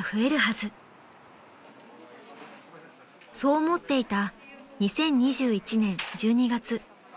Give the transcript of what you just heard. ［そう思っていた２０２１年１２月］